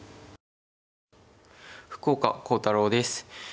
福岡航太朗です。